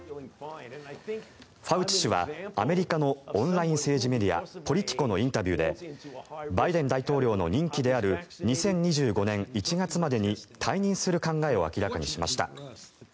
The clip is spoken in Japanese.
ファウチ氏は、アメリカのオンライン政治メディアポリティコのインタビューでバイデン大統領の任期である２０２５年１月までに退任する考えを明らかにしました。